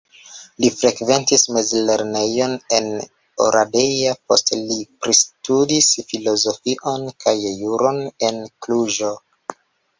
Li frekventis mezlernejon en Oradea, poste li pristudis filozofion kaj juron en Kluĵo.